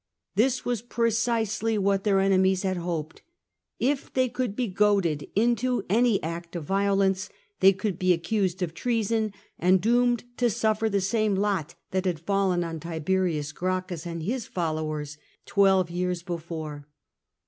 This was precisely what their enemies had hoped. If they could he goaded into any act of violence, they could he accused of treason, and doomed to suffer the same lot that had fallen on Tiberius Gracchus and his followen MUEDER OF ANTULLIUS 79 twelve years before.